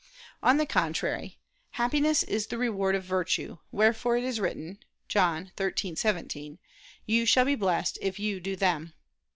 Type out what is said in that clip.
On the contrary, Happiness is the reward of virtue; wherefore it is written (John 13:17): "You shall be blessed, if you do them."